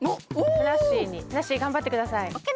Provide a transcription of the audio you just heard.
ふなっしー頑張ってください。